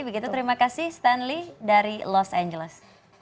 begitu terima kasih stanley dari los angeles